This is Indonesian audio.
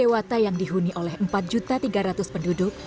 dewata yang dihuni oleh empat tiga ratus penduduk